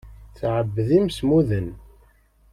Teɛbed imsemmuden.